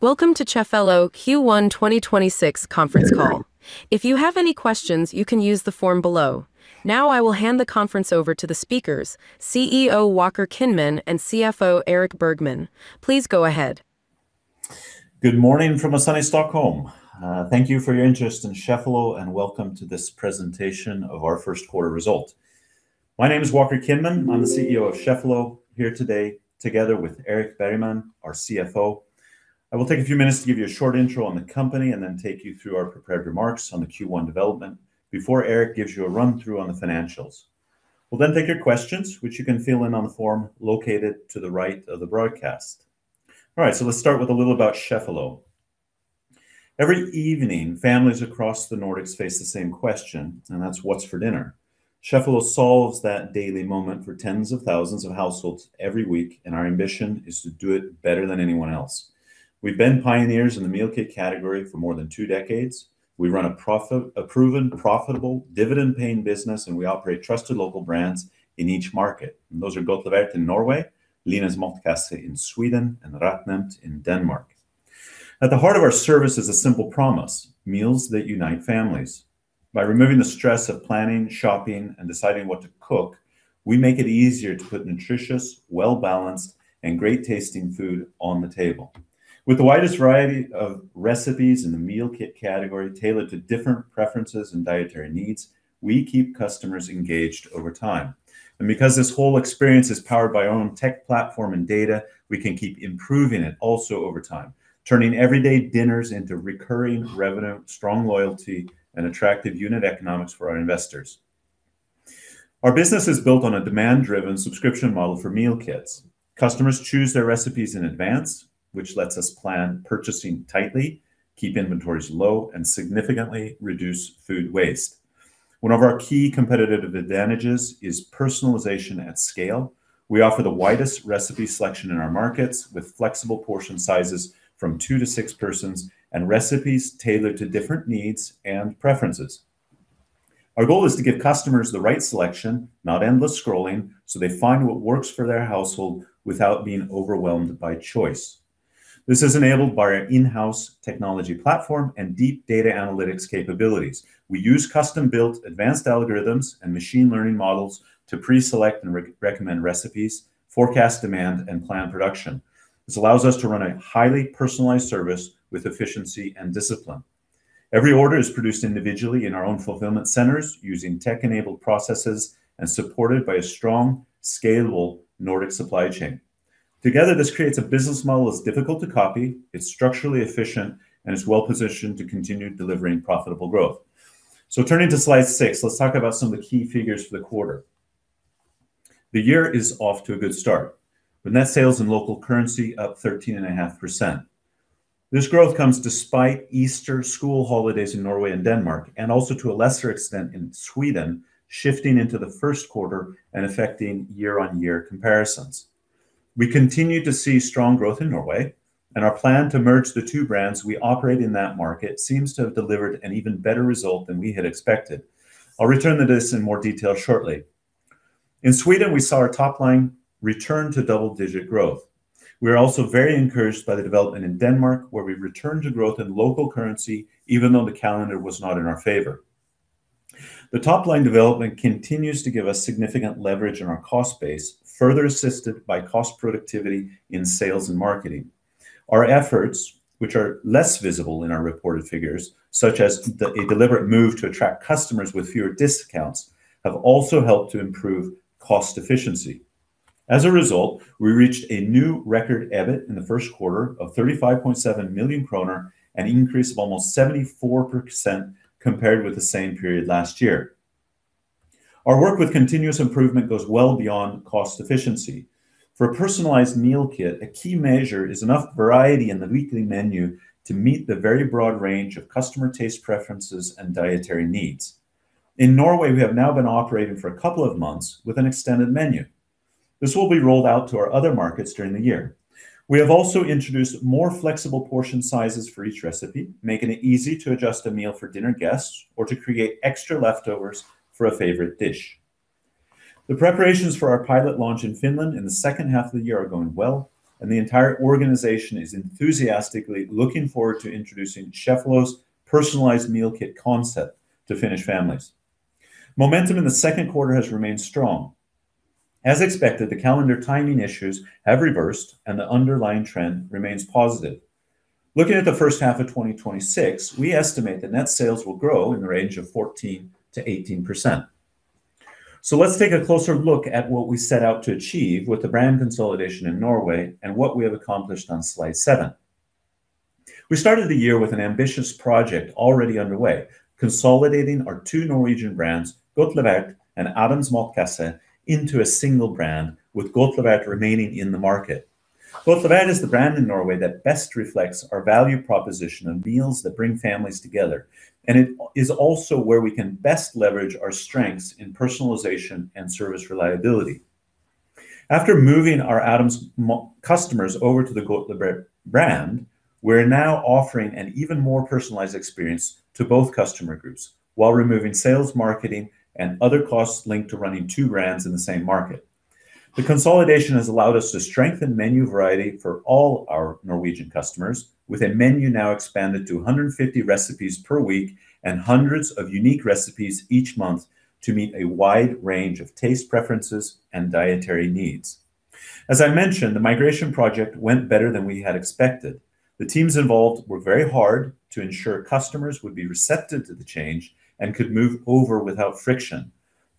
Welcome to Cheffelo Q1 2026 Conference Call. If you have any questions, you can use the form below. I will hand the conference over to the speakers, CEO Walker Kinman and CFO Erik Bergman. Please go ahead. Good morning from a sunny Stockholm. Thank you for your interest in Cheffelo, welcome to this presentation of our first quarter result. My name is Walker Kinman. I'm the CEO of Cheffelo, here today together with Erik Bergman, our CFO. I will take a few minutes to give you a short intro on the company and then take you through our prepared remarks on the Q1 development before Erik gives you a run-through on the financials. We'll take your questions, which you can fill in on the form located to the right of the broadcast. Let's start with a little about Cheffelo. Every evening, families across the Nordics face the same question, That's what's for dinner? Cheffelo solves that daily moment for tens of thousands of households every week, and our ambition is to do it better than anyone else. We've been pioneers in the meal kit category for more than two decades. We run a proven, profitable dividend-paying business, and we operate trusted local brands in each market, and those are Godtlevert in Norway, Linas Matkasse in Sweden, and RetNemt in Denmark. At the heart of our service is a simple promise, meals that unite families. By removing the stress of planning, shopping, and deciding what to cook, we make it easier to put nutritious, well-balanced, and great-tasting food on the table. With the widest variety of recipes in the meal kit category tailored to different preferences and dietary needs, we keep customers engaged over time. Because this whole experience is powered by our own tech platform and data, we can keep improving it also over time, turning everyday dinners into recurring revenue, strong loyalty, and attractive unit economics for our investors. Our business is built on a demand-driven subscription model for meal kits. Customers choose their recipes in advance, which lets us plan purchasing tightly, keep inventories low, and significantly reduce food waste. One of our key competitive advantages is personalization at scale. We offer the widest recipe selection in our markets with flexible portion sizes from two to six persons and recipes tailored to different needs and preferences. Our goal is to give customers the right selection, not endless scrolling, so they find what works for their household without being overwhelmed by choice. This is enabled by our in-house technology platform and deep data analytics capabilities. We use custom-built advanced algorithms and machine learning models to pre-select and re-recommend recipes, forecast demand, and plan production. This allows us to run a highly personalized service with efficiency and discipline. Every order is produced individually in our own fulfillment centers using tech-enabled processes and supported by a strong, scalable Nordic supply chain. Together, this creates a business model that's difficult to copy, it's structurally efficient, and is well-positioned to continue delivering profitable growth. Turning to slide 6, let's talk about some of the key figures for the quarter. The year is off to a good start, with net sales and local currency up 13.5%. This growth comes despite Easter school holidays in Norway and Denmark, and also to a lesser extent in Sweden, shifting into the first quarter and affecting year-on-year comparisons. We continue to see strong growth in Norway, and our plan to merge the two brands we operate in that market seems to have delivered an even better result than we had expected. I'll return to this in more detail shortly. In Sweden, we saw our top line return to double-digit growth. We are also very encouraged by the development in Denmark, where we've returned to growth in local currency, even though the calendar was not in our favor. The top-line development continues to give us significant leverage in our cost base, further assisted by cost productivity in sales and marketing. Our efforts, which are less visible in our reported figures, such as a deliberate move to attract customers with fewer discounts, have also helped to improve cost efficiency. As a result, we reached a new record EBIT in the first quarter of 35.7 million kroner, an increase of almost 74% compared with the same period last year. Our work with continuous improvement goes well beyond cost efficiency. For a personalized meal kit, a key measure is enough variety in the weekly menu to meet the very broad range of customer taste preferences and dietary needs. In Norway, we have now been operating for a couple of months with an extended menu. This will be rolled out to our other markets during the year. We have also introduced more flexible portion sizes for each recipe, making it easy to adjust a meal for dinner guests or to create extra leftovers for a favorite dish. The preparations for our pilot launch in Finland in the second half of the year are going well, and the entire organization is enthusiastically looking forward to introducing Cheffelo's personalized meal kit concept to Finnish families. Momentum in the second quarter has remained strong. As expected, the calendar timing issues have reversed, and the underlying trend remains positive. Looking at the first half of 2026, we estimate the net sales will grow in the range of 14%-18%. Let's take a closer look at what we set out to achieve with the brand consolidation in Norway and what we have accomplished on slide seven. We started the year with an ambitious project already underway, consolidating our two Norwegian brands, Godtlevert and Adams Matkasse, into a single brand, with Godtlevert remaining in the market. Godtlevert is the brand in Norway that best reflects our value proposition of meals that bring families together, and it is also where we can best leverage our strengths in personalization and service reliability. After moving our Adams Matkasse customers over to the Godtlevert brand, we're now offering an even more personalized experience to both customer groups while removing sales, marketing, and other costs linked to running two brands in the same market. The consolidation has allowed us to strengthen menu variety for all our Norwegian customers with a menu now expanded to 150 recipes per week and hundreds of unique recipes each month to meet a wide range of taste preferences and dietary needs. As I mentioned, the migration project went better than we had expected. The teams involved worked very hard to ensure customers would be receptive to the change and could move over without friction.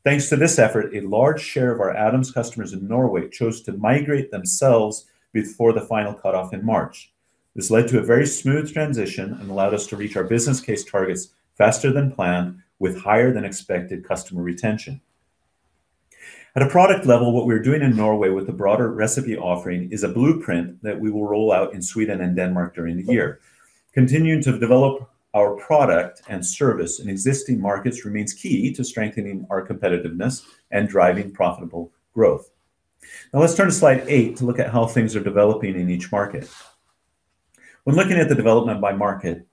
Thanks to this effort, a large share of our Adams customers in Norway chose to migrate themselves before the final cutoff in March. This led to a very smooth transition and allowed us to reach our business case targets faster than planned with higher than expected customer retention. At a product level, what we're doing in Norway with the broader recipe offering is a blueprint that we will roll out in Sweden and Denmark during the year. Continuing to develop our product and service in existing markets remains key to strengthening our competitiveness and driving profitable growth. Let's turn to slide eight to look at how things are developing in each market. When looking at the development by market,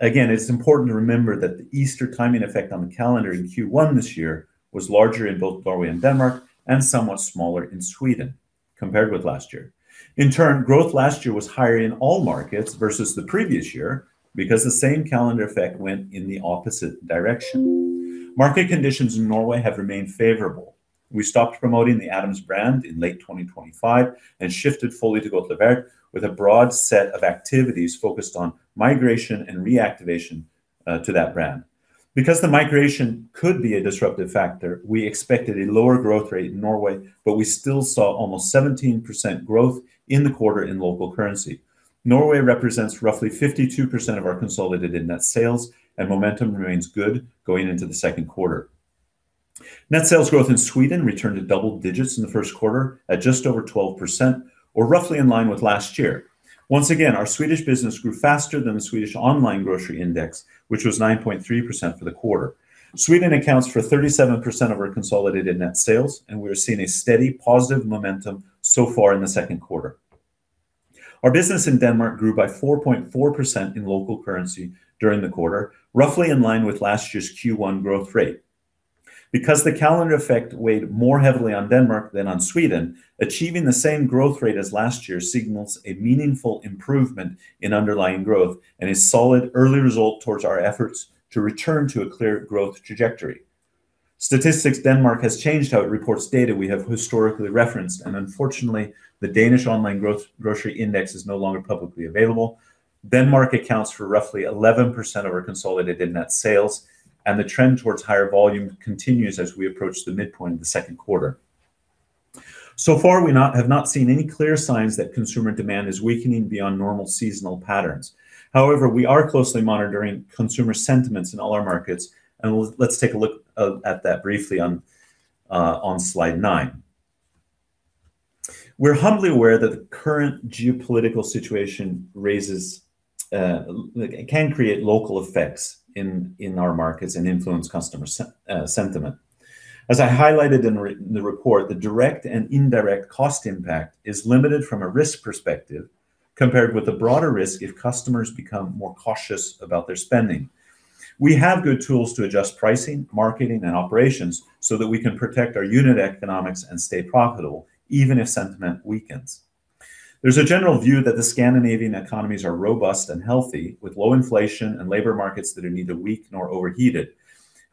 again, it's important to remember that the Easter timing effect on the calendar in Q1 this year was larger in both Norway and Denmark and somewhat smaller in Sweden compared with last year. In turn, growth last year was higher in all markets versus the previous year because the same calendar effect went in the opposite direction. Market conditions in Norway have remained favorable. We stopped promoting the Adams brand in late 2025 and shifted fully to Godtlevert with a broad set of activities focused on migration and reactivation to that brand. Because the migration could be a disruptive factor, we expected a lower growth rate in Norway, but we still saw almost 17% growth in the quarter in local currency. Norway represents roughly 52% of our consolidated net sales, and momentum remains good going into the second quarter. Net sales growth in Sweden returned to double digits in the first quarter at just over 12% or roughly in line with last year. Once again, our Swedish business grew faster than the Swedish Online Grocery Index, which was 9.3% for the quarter. Sweden accounts for 37% of our consolidated net sales, and we are seeing a steady positive momentum so far in the second quarter. Our business in Denmark grew by 4.4% in local currency during the quarter, roughly in line with last year's Q1 growth rate. Because the calendar effect weighed more heavily on Denmark than on Sweden, achieving the same growth rate as last year signals a meaningful improvement in underlying growth and a solid early result towards our efforts to return to a clear growth trajectory. Statistics Denmark has changed how it reports data we have historically referenced, and unfortunately, the Danish Online Grocery Index is no longer publicly available. Denmark accounts for roughly 11% of our consolidated net sales. The trend towards higher volume continues as we approach the midpoint of the second quarter. So far, we have not seen any clear signs that consumer demand is weakening beyond normal seasonal patterns. However, we are closely monitoring consumer sentiments in all our markets. Let's take a look at that briefly on slide nine. We're humbly aware that the current geopolitical situation raises, like it can create local effects in our markets and influence customer sentiment. As I highlighted in the report, the direct and indirect cost impact is limited from a risk perspective compared with the broader risk if customers become more cautious about their spending. We have good tools to adjust pricing, marketing, and operations so that we can protect our unit economics and stay profitable even if sentiment weakens. There's a general view that the Scandinavian economies are robust and healthy with low inflation and labor markets that are neither weak nor overheated.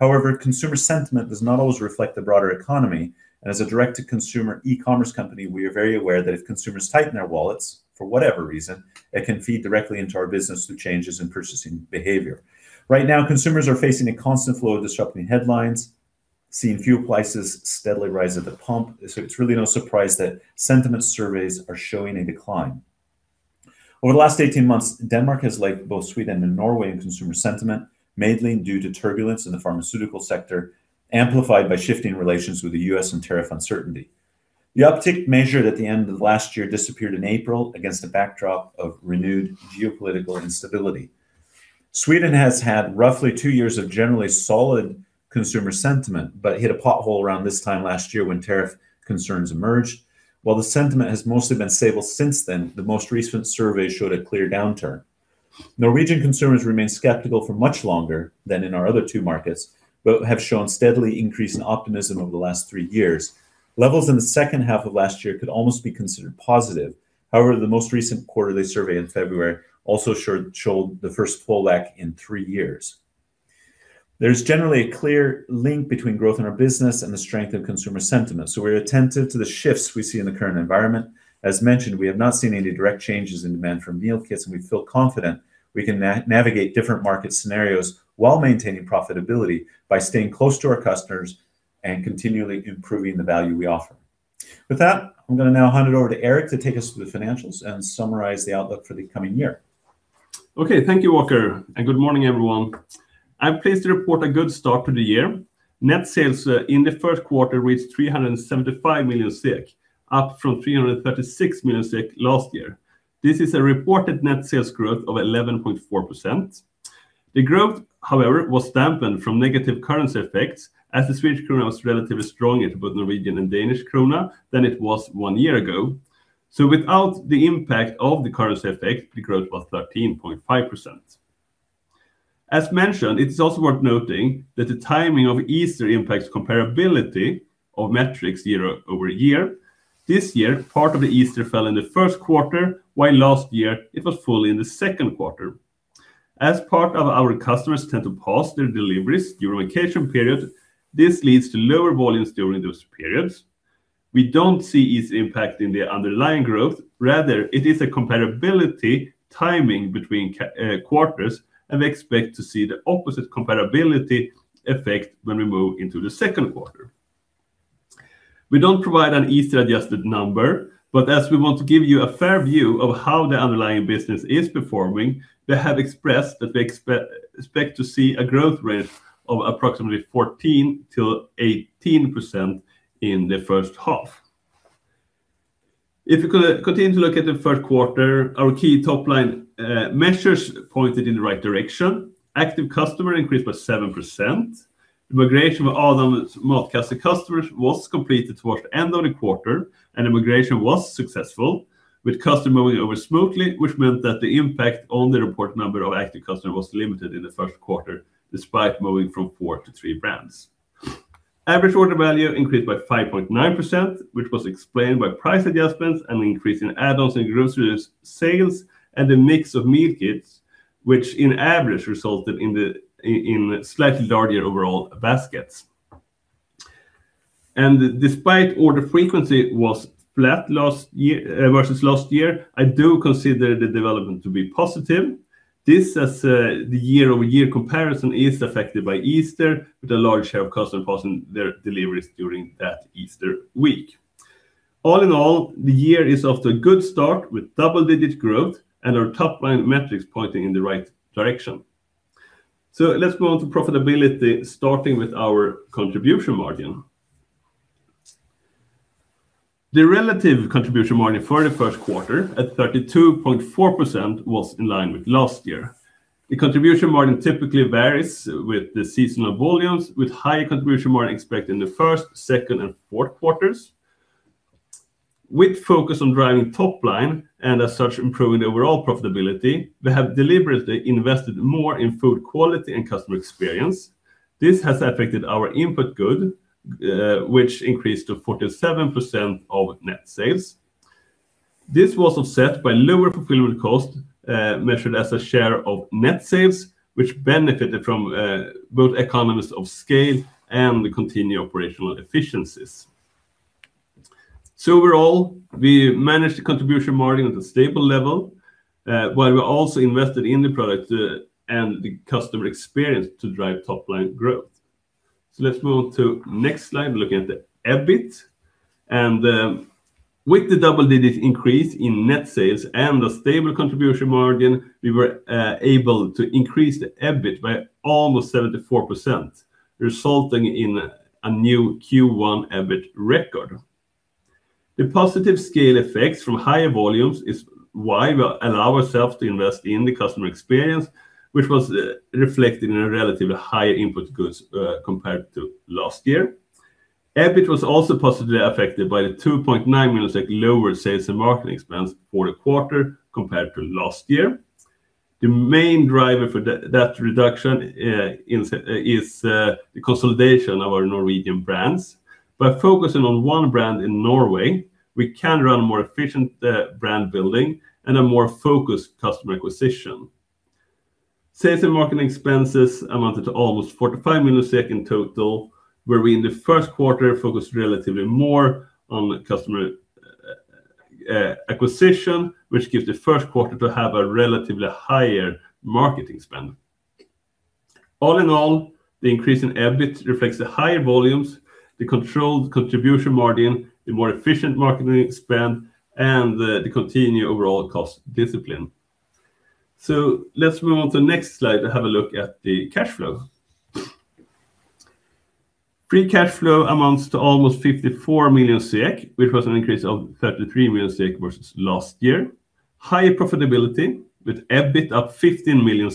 However, consumer sentiment does not always reflect the broader economy, and as a direct-to-consumer e-commerce company, we are very aware that if consumers tighten their wallets, for whatever reason, it can feed directly into our business through changes in purchasing behavior. Right now, consumers are facing a constant flow of disrupting headlines, seeing fuel prices steadily rise at the pump, so it's really no surprise that sentiment surveys are showing a decline. Over the last 18 months, Denmark has lagged both Sweden and Norway in consumer sentiment, mainly due to turbulence in the pharmaceutical sector, amplified by shifting relations with the U.S. and tariff uncertainty. The uptick measured at the end of last year disappeared in April against a backdrop of renewed geopolitical instability. Sweden has had roughly two years of generally solid consumer sentiment but hit a pothole around this time last year when tariff concerns emerged. The sentiment has mostly been stable since then, the most recent survey showed a clear downturn. Norwegian consumers remained skeptical for much longer than in our other two markets but have shown steadily increasing optimism over the last three years. Levels in the second half of last year could almost be considered positive. The most recent quarterly survey in February also showed the first fall back in three years. There's generally a clear link between growth in our business and the strength of consumer sentiment. We're attentive to the shifts we see in the current environment. As mentioned, we have not seen any direct changes in demand for meal kits. We feel confident we can navigate different market scenarios while maintaining profitability by staying close to our customers and continually improving the value we offer. With that, I'm gonna now hand it over to Erik to take us through the financials and summarize the outlook for the coming year. Okay. Thank you, Walker, and good morning, everyone. I'm pleased to report a good start to the year. Net sales in the first quarter reached 375 million, up from 336 million last year. This is a reported net sales growth of 11.4%. The growth, however, was dampened from negative currency effects as the Swedish krona was relatively stronger to both Norwegian and Danish krone than it was one year ago. Without the impact of the currency effect, the growth was 13.5%. As mentioned, it's also worth noting that the timing of Easter impacts comparability of metrics year-over-year. This year, part of the Easter fell in the first quarter, while last year it was fully in the second quarter. As part of our customers tend to pause their deliveries during vacation period, this leads to lower volumes during those periods. We don't see its impact in the underlying growth, rather it is a comparability timing between quarters. We expect to see the opposite comparability effect when we move into the second quarter. We don't provide an Easter adjusted number. As we want to give you a fair view of how the underlying business is performing, they have expressed that they expect to see a growth rate of approximately 14%-18% in the first half. If we could continue to look at the first quarter, our key top line measures pointed in the right direction. Active customer increased by 7%. The migration of all the Matkasse customers was completed towards the end of the quarter. The migration was successful with customer moving over smoothly, which meant that the impact on the reported number of active customer was limited in the first quarter, despite moving from four to three brands. Average order value increased by 5.9%, which was explained by price adjustments and increase in add-ons and groceries sales and the mix of meal kits, which in average resulted in slightly larger overall baskets. Despite order frequency was flat last year versus last year, I do consider the development to be positive. This as the year-over-year comparison is affected by Easter with a large share of customer pausing their deliveries during that Easter week. All in all, the year is off to a good start with double-digit growth and our top line metrics pointing in the right direction. Let's move on to profitability, starting with our contribution margin. The relative contribution margin for the first quarter at 32.4% was in line with last year. The contribution margin typically varies with the seasonal volumes, with higher contribution margin expected in the first, second and fourth quarters. With focus on driving top line and as such improving the overall profitability, we have deliberately invested more in food quality and customer experience. This has affected our input goods, which increased to 47% of net sales. This was offset by lower fulfillment cost, measured as a share of net sales, which benefited from both economies of scale and the continued operational efficiencies. Overall, we managed the contribution margin at a stable level, while we also invested in the product and the customer experience to drive top line growth. Let's move on to next slide, looking at the EBIT and, with the double digits increase in net sales and a stable contribution margin, we were able to increase the EBIT by almost 74%, resulting in a new Q1 EBIT record. The positive scale effects from higher volumes is why we allow ourselves to invest in the customer experience, which was reflected in a relatively higher input goods compared to last year. EBIT was also positively affected by the 2.9 million lower sales and marketing expense for the quarter compared to last year. The main driver for that reduction is the consolidation of our Norwegian brands. By focusing on one brand in Norway, we can run a more efficient brand building and a more focused customer acquisition. Sales and marketing expenses amounted to almost 45 million SEK in total, where we in the first quarter focused relatively more on the customer acquisition, which gives the first quarter to have a relatively higher marketing spend. All in all, the increase in EBIT reflects the higher volumes, the controlled contribution margin, the more efficient marketing spend, and the continued overall cost discipline. Let's move on to the next slide to have a look at the cash flow. Free cash flow amounts to almost 54 million, which was an increase of 33 million versus last year. Higher profitability with EBIT up 15 million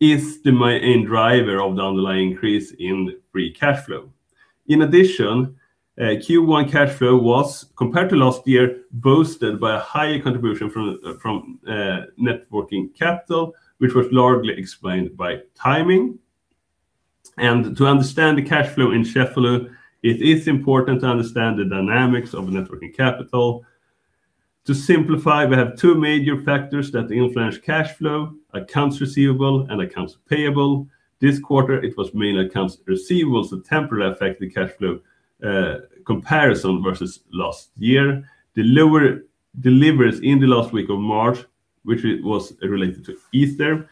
is the main driver of the underlying increase in free cash flow. In addition, Q1 cash flow was, compared to last year, boosted by a higher contribution from net working capital, which was largely explained by timing. To understand the cash flow in Cheffelo, it is important to understand the dynamics of net working capital. To simplify, we have two major factors that influence cash flow, accounts receivable and accounts payable. This quarter, it was mainly accounts receivables that temporarily affect the cash flow comparison versus last year. Deliveries in the last week of March, which was related to Easter,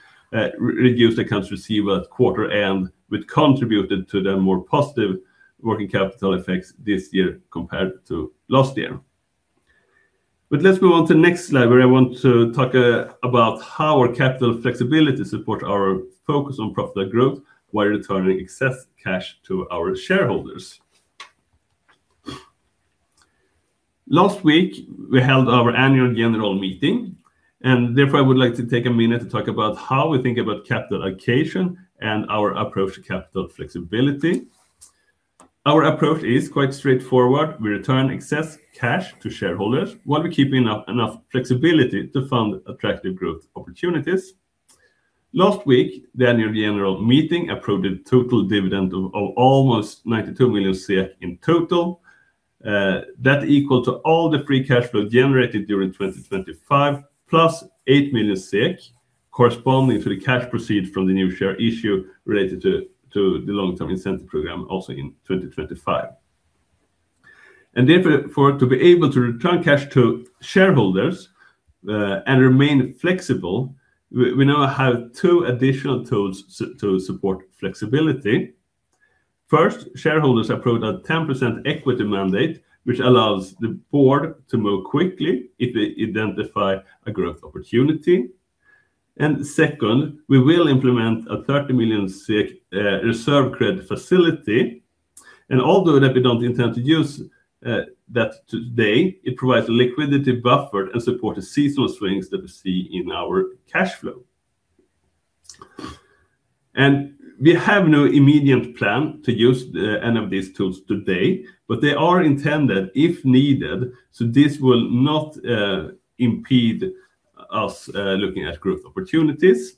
reduced accounts receivable at quarter end, which contributed to the more positive working capital effects this year compared to last year. Let's move on to next slide, where I want to talk about how our capital flexibility support our focus on profitable growth while returning excess cash to our shareholders. Last week, we held our annual general meeting, and therefore, I would like to take a minute to talk about how we think about capital allocation and our approach to capital flexibility. Our approach is quite straightforward. We return excess cash to shareholders while we're keeping up enough flexibility to fund attractive growth opportunities. Last week, the annual general meeting approved a total dividend of almost 92 million in total. That equal to all the free cash flow generated during 2025, plus 8 million SEK corresponding to the cash proceeds from the new share issue related to the Long-Term Incentive Program also in 2025. Therefore, to be able to return cash to shareholders, and remain flexible, we now have two additional tools to support flexibility. First, shareholders approved a 10% equity mandate, which allows the board to move quickly if they identify a growth opportunity. Second, we will implement a 30 million reserve credit facility. Although that we don't intend to use that today, it provides a liquidity buffer and support the seasonal swings that we see in our cash flow. We have no immediate plan to use any of these tools today, but they are intended if needed, this will not impede us looking at growth opportunities.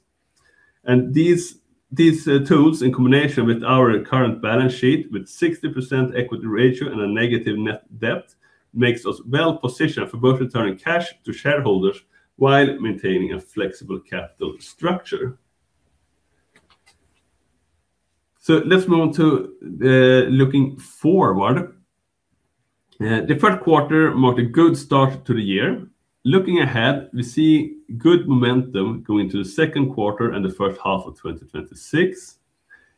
These tools, in combination with our current balance sheet with 60% equity ratio and a negative net debt, makes us well-positioned for both returning cash to shareholders while maintaining a flexible capital structure. Let's move on to the looking forward. The first quarter marked a good start to the year. Looking ahead, we see good momentum going to the second quarter and the first half of 2026.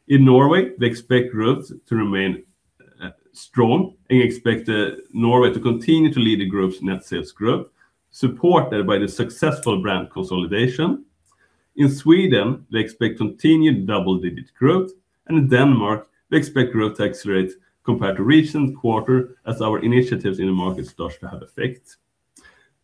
In Norway, they expect growth to remain strong, and expect Norway to continue to lead the group's net sales growth, supported by the successful brand consolidation. In Sweden, they expect continued double-digit growth, and in Denmark, they expect growth to accelerate compared to recent quarter as our initiatives in the market starts to have effect.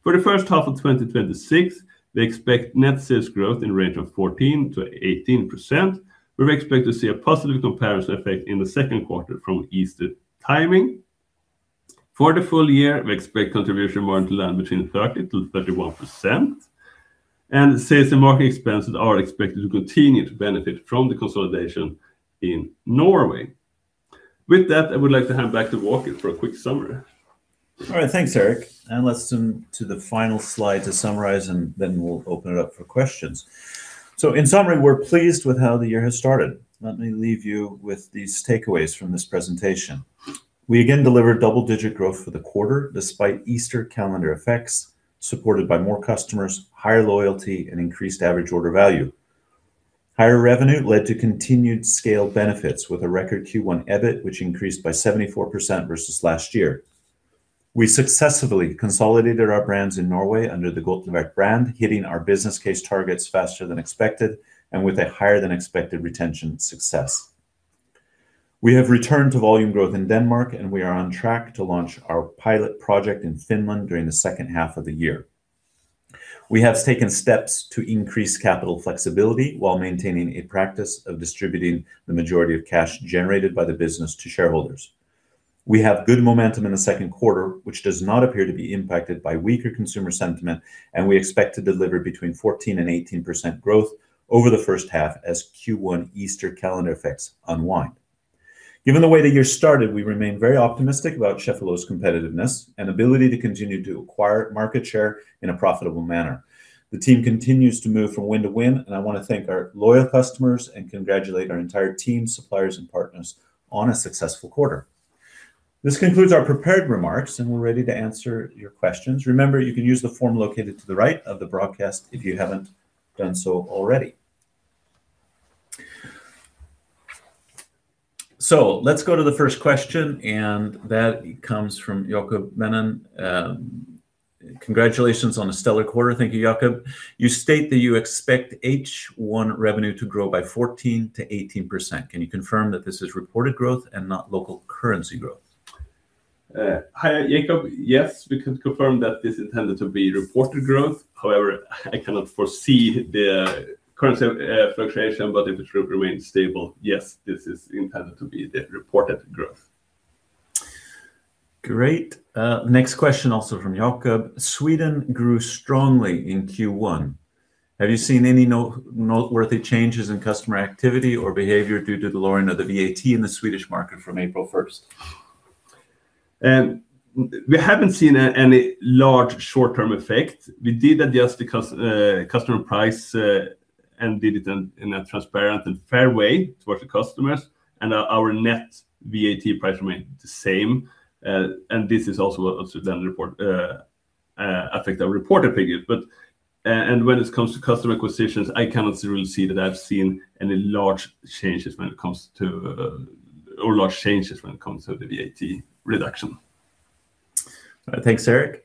For the first half of 2026, they expect net sales growth in range of 14%-18%. We expect to see a positive comparison effect in the second quarter from Easter timing. For the full year, we expect contribution margin to land between 30%-31%. Sales and marketing expenses are expected to continue to benefit from the consolidation in Norway. With that, I would like to hand back to Walker for a quick summary. All right. Thanks, Erik. Let's turn to the final slide to summarize, and then we'll open it up for questions. In summary, we're pleased with how the year has started. Let me leave you with these takeaways from this presentation. We again delivered double-digit growth for the quarter despite Easter calendar effects, supported by more customers, higher loyalty, and increased average order value. Higher revenue led to continued scale benefits with a record Q1 EBIT, which increased by 74% versus last year. We successfully consolidated our brands in Norway under the Godtlevert brand, hitting our business case targets faster than expected and with a higher-than-expected retention success. We have returned to volume growth in Denmark, and we are on track to launch our pilot project in Finland during the second half of the year. We have taken steps to increase capital flexibility while maintaining a practice of distributing the majority of cash generated by the business to shareholders. We have good momentum in the second quarter, which does not appear to be impacted by weaker consumer sentiment, and we expect to deliver between 14% and 18% growth over the first half as Q1 Easter calendar effects unwind. Given the way the year started, we remain very optimistic about Cheffelo's competitiveness and ability to continue to acquire market share in a profitable manner. The team continues to move from win to win, I wanna thank our loyal customers and congratulate our entire team, suppliers, and partners on a successful quarter. This concludes our prepared remarks, We're ready to answer your questions. Remember, you can use the form located to the right of the broadcast if you haven't done so already. Let's go to the first question, and that comes from Jakob Mellin. "Congratulations on a stellar quarter." Thank you, Jacob. "You state that you expect H1 revenue to grow by 14% to 18%. Can you confirm that this is reported growth and not local currency growth?" Hi, Jacob. Yes, we can confirm that this is intended to be reported growth. I cannot foresee the currency fluctuation, but if it remains stable, yes, this is intended to be the reported growth. Great. Next question also from Jacob. "Sweden grew strongly in Q1. Have you seen any noteworthy changes in customer activity or behavior due to the lowering of the VAT in the Swedish market from April 1st?" We haven't seen any large short-term effect. We did adjust the customer price and did it in a transparent and fair way towards the customers, and our net VAT price remained the same. This has also then report affect our reported figures. When it comes to customer acquisitions, I cannot really see that I've seen any large changes when it comes to or large changes when it comes to the VAT reduction. Thanks, Erik.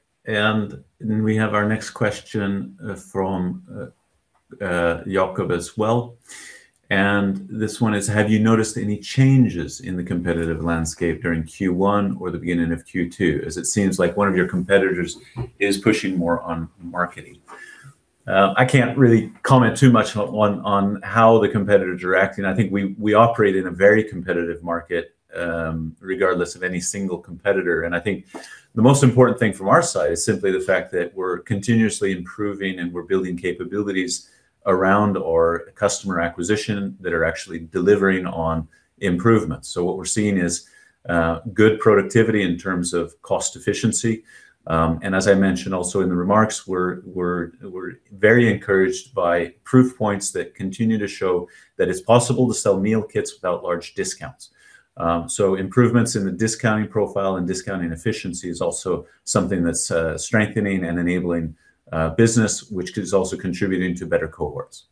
We have our next question from Jacob as well. This one is, "Have you noticed any changes in the competitive landscape during Q1 or the beginning of Q2, as it seems like one of your competitors is pushing more on marketing?" I can't really comment too much on how the competitors are acting. I think we operate in a very competitive market, regardless of any single competitor, and I think the most important thing from our side is simply the fact that we're continuously improving and we're building capabilities around our customer acquisition that are actually delivering on improvements. What we're seeing is good productivity in terms of cost efficiency, and as I mentioned also in the remarks, we're very encouraged by proof points that continue to show that it's possible to sell meal kits without large discounts. Improvements in the discounting profile and discounting efficiency is also something that's strengthening and enabling business, which is also contributing to better cohorts.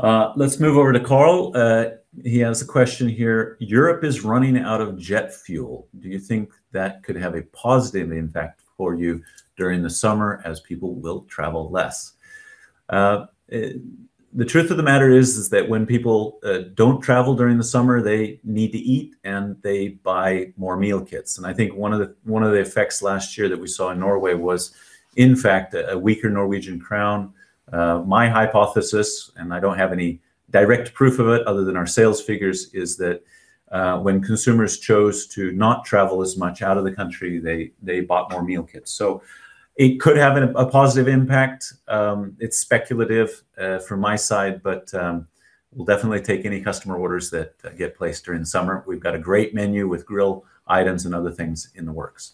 Let's move over to Carl. He has a question here, "Europe is running out of jet fuel. Do you think that could have a positive impact for you during the summer as people will travel less?" The truth of the matter is that when people don't travel during the summer, they need to eat and they buy more meal kits, and I think one of the effects last year that we saw in Norway was, in fact, a weaker Norwegian crown. My hypothesis, and I don't have any direct proof of it other than our sales figures, is that when consumers chose to not travel as much out of the country, they bought more meal kits. It could have a positive impact. It's speculative from my side, but we'll definitely take any customer orders that get placed during the summer. We've got a great menu with grill items and other things in the works.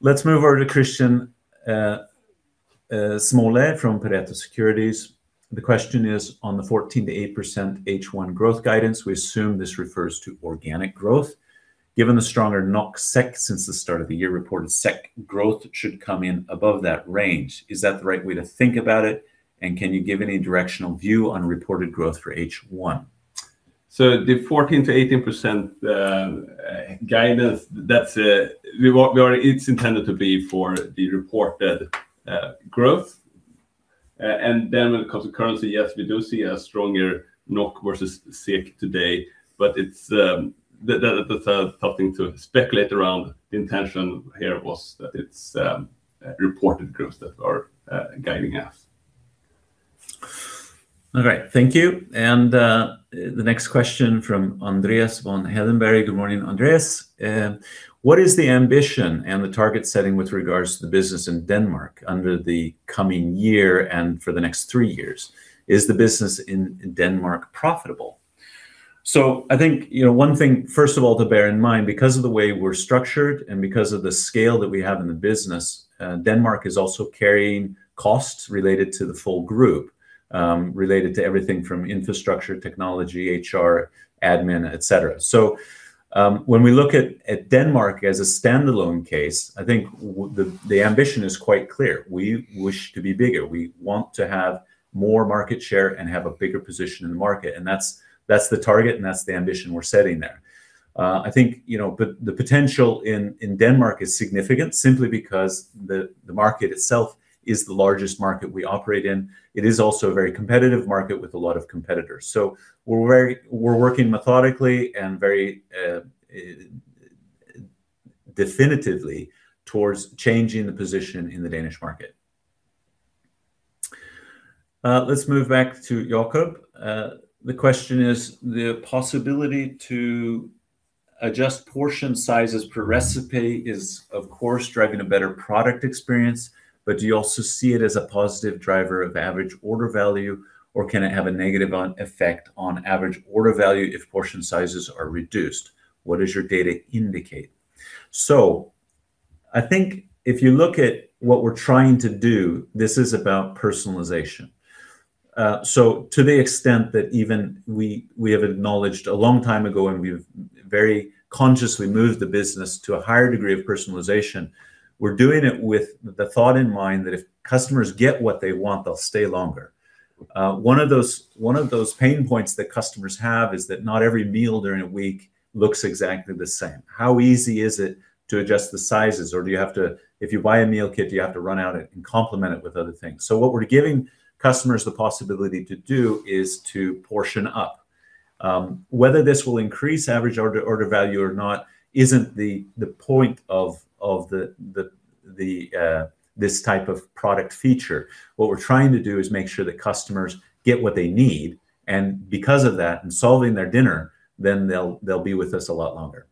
Let's move over to Kristian Smolle from Pareto Securities. The question is, "On the 14%-18% H1 growth guidance, we assume this refers to organic growth. Given the stronger NOK/SEK since the start of the year, reported SEK growth should come in above that range. Is that the right way to think about it, and can you give any directional view on reported growth for H1?" The 14% to 18% guidance, It's intended to be for the reported growth. When it comes to currency, yes, we do see a stronger NOK versus SEK today, but that's a tough thing to speculate around. The intention here was that it's reported growth that we're guiding at. All right, thank you. The next question from Andreas von Hedenberg. Good morning, Andreas. "What is the ambition and the target setting with regards to the business in Denmark under the coming year and for the next three years? Is the business in Denmark profitable?" I think, you know, one thing first of all to bear in mind, because of the way we're structured and because of the scale that we have in the business, Denmark is also carrying costs related to the full group, related to everything from infrastructure, technology, HR, admin, et cetera. When we look at Denmark as a standalone case, I think the ambition is quite clear. We wish to be bigger. We want to have more market share and have a bigger position in the market, and that's the target, and that's the ambition we're setting there. I think, you know, the potential in Denmark is significant simply because the market itself is the largest market we operate in. It is also a very competitive market with a lot of competitors. We're working methodically and very definitively towards changing the position in the Danish market. Let's move back to Jacob Menon. The question is, "The possibility to adjust portion sizes per recipe is of course driving a better product experience, but do you also see it as a positive driver of average order value, or can it have a negative effect on average order value if portion sizes are reduced? What does your data indicate?" I think if you look at what we're trying to do, this is about personalization. To the extent that even we have acknowledged a long time ago and we've very consciously moved the business to a higher degree of personalization, we're doing it with the thought in mind that if customers get what they want, they'll stay longer. One of those pain points that customers have is that not every meal during the week looks exactly the same. How easy is it to adjust the sizes, or do you have to If you buy a meal kit, do you have to run out and complement it with other things? What we're giving customers the possibility to do is to portion up. Whether this will increase average order value or not isn't the point of this type of product feature. What we're trying to do is make sure that customers get what they need and because of that, in solving their dinner, then they'll be with us a lot longer.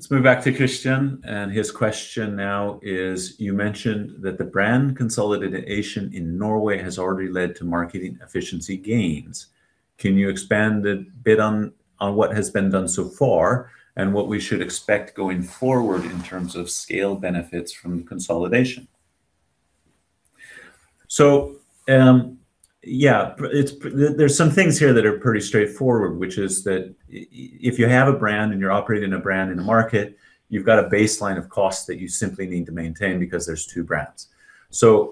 Let's move back to Christian, and his question now is, "You mentioned that the brand consolidation in Norway has already led to marketing efficiency gains. Can you expand a bit on what has been done so far and what we should expect going forward in terms of scale benefits from the consolidation?" There's some things here that are pretty straightforward, which is that if you have a brand and you're operating a brand in a market, you've got a baseline of costs that you simply need to maintain because there's two brands.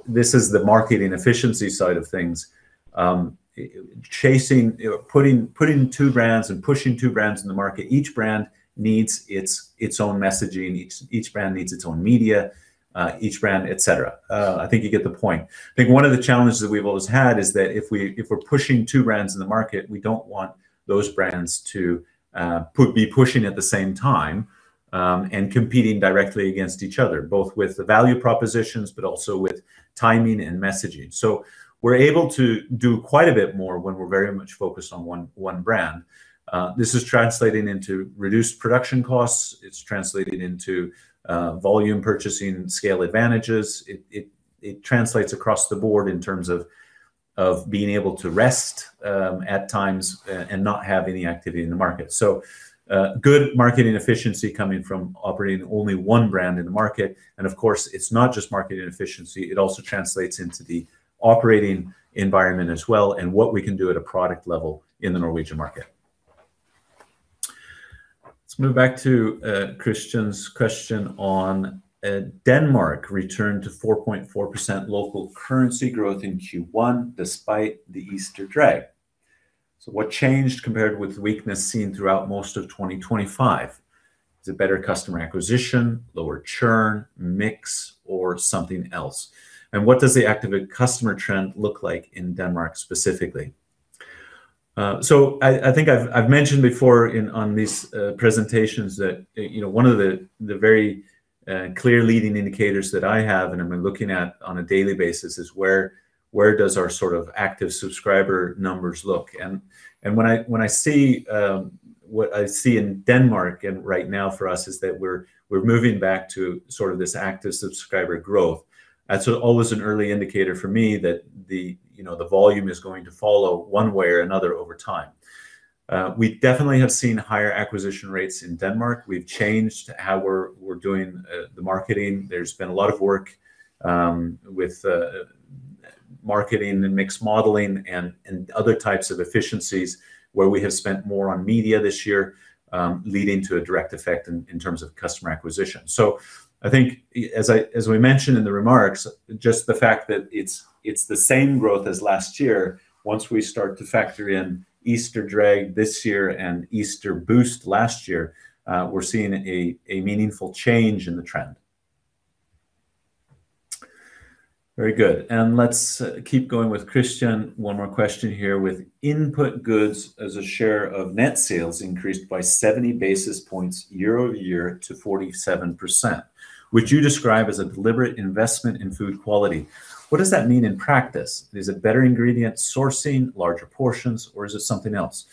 This is the marketing efficiency side of things, chasing, or putting two brands and pushing two brands in the market. Each brand needs its own messaging. Each brand needs its own media, each brand, et cetera. I think you get the point. I think one of the challenges that we've always had is that if we, if we're pushing two brands in the market, we don't want those brands to be pushing at the same time and competing directly against each other, both with the value propositions but also with timing and messaging. We're able to do quite a bit more when we're very much focused on one brand. This is translating into reduced production costs. It's translating into volume purchasing and scale advantages. It translates across the board in terms of being able to rest at times and not have any activity in the market. Good marketing efficiency coming from operating only one brand in the market, and of course it's not just marketing efficiency, it also translates into the operating environment as well and what we can do at a product level in the Norwegian market. Let's move back to Christian's question on Denmark return to 4.4% local currency growth in Q1 despite the Easter drag. What changed compared with weakness seen throughout most of 2025? Is it better customer acquisition, lower churn, mix, or something else? And what does the active customer trend look like in Denmark specifically? I think I've mentioned before in, on these presentations that, you know, one of the very clear leading indicators that I have and I've been looking at on a daily basis is where does our sort of active subscriber numbers look? When I see what I see in Denmark and right now for us is that we're moving back to sort of this active subscriber growth. That's always an early indicator for me that the, you know, the volume is going to follow one way or another over time. We definitely have seen higher acquisition rates in Denmark. We've changed how we're doing the marketing. There's been a lot of work with marketing mix modeling and other types of efficiencies where we have spent more on media this year, leading to a direct effect in terms of customer acquisition. I think, as we mentioned in the remarks, just the fact that it's the same growth as last year, once we start to factor in Easter drag this year and Easter boost last year, we're seeing a meaningful change in the trend. Very good. Let's keep going with Christian. One more question here. With input goods as a share of net sales increased by 70 basis points year-over-year to 47%, which you describe as a deliberate investment in food quality, what does that mean in practice? Is it better ingredient sourcing, larger portions, or is it something else?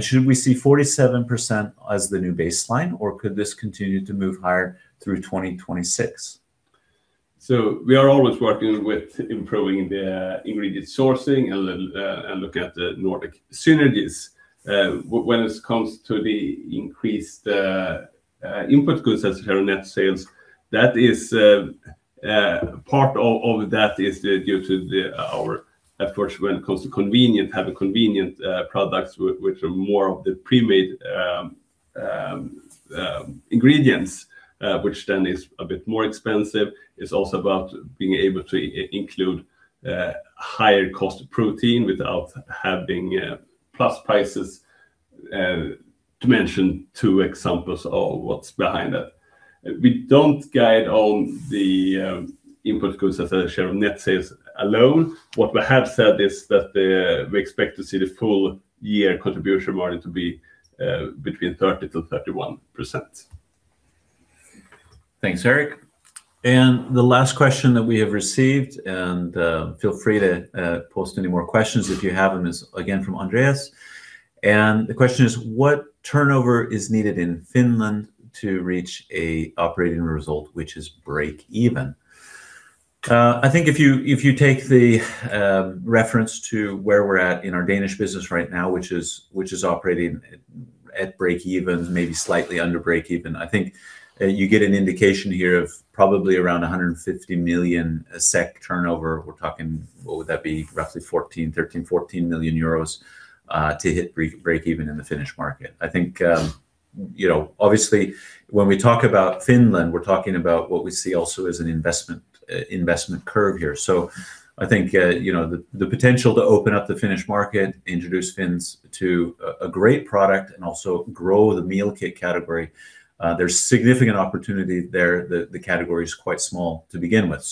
Should we see 47% as the new baseline, or could this continue to move higher through 2026? We are always working with improving the ingredient sourcing and look at the Nordic synergies. When it comes to the increased input goods as a share of net sales, that is part of that is due to, of course, when it comes to convenient, have convenient products which are more of the pre-made ingredients, which then is a bit more expensive. It's also about being able to include higher cost of protein without having plus prices, to mention two examples of what's behind that. We don't guide on the input goods as a share of net sales alone. What we have said is that we expect to see the full year contribution margin to be between 30%-31%. Thanks, Erik. The last question that we have received, feel free to post any more questions if you have them, is again from Andreas. The question is, what turnover is needed in Finland to reach a operating result which is break-even? I think if you, if you take the reference to where we're at in our Danish business right now, which is, which is operating at break-even, maybe slightly under break-even, I think, you get an indication here of probably around 150 million turnover. We're talking, what would that be? Roughly 14 million euros, 13 million, 14 million euros to hit break-even in the Finnish market. I think, you know, obviously when we talk about Finland, we're talking about what we see also as an investment curve here. I think, you know, the potential to open up the Finnish market, introduce Finns to a great product and also grow the meal kit category, there's significant opportunity there. The category's quite small to begin with.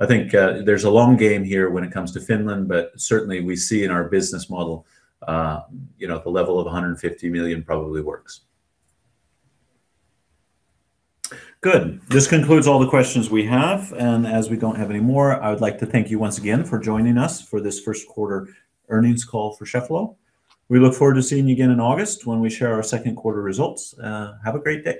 I think, there's a long game here when it comes to Finland, but certainly we see in our business model, you know, the level of 150 million probably works. Good. This concludes all the questions we have, and as we don't have any more, I would like to thank you once again for joining us for this first quarter earnings call for Cheffelo. We look forward to seeing you again in August when we share our second quarter results. Have a great day.